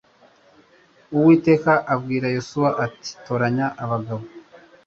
uwiteka abwira yosuwa ati toranya abagabo